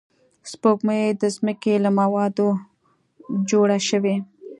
سپوږمۍ د ځمکې له موادو جوړه شوې